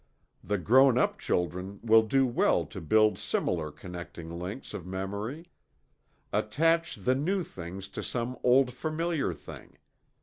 The grown up children will do well to build similar connecting links of memory. Attach the new thing to some old familiar thing.